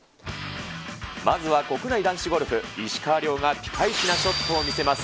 まずは国内男子ゴルフ、石川遼がピカイチのショットを見せます。